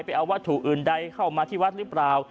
เอาวัตถุอื่นใดเข้ามาที่วัดหรือเปล่า